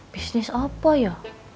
bisnis apa ya